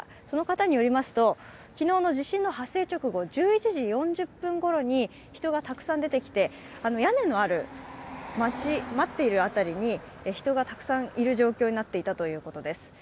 その方によりますと、きのうの地震の発生直後１１時４０分ごろに人がたくさん出てきて、あの屋根のあるあたりに、人がたくさんいる状況になっていたということです。